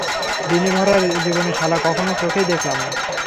ঋণে ভরা জীবনে শালা কখনো চোখেই দেখলাম না।